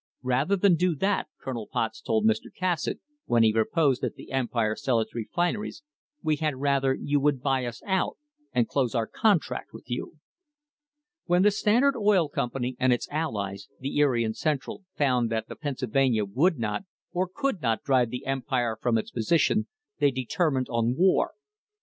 "Rather than do that," Colonel Potts told Mr. Cassatt, when he proposed that the Empire sell its refineries, "we had rather you would buy us out and close our contract with you." When the Standard Oil Company and its allies, the Erie and Central, found that the Pennsylvania would not or could not drive the Empire from its position, they determined on war.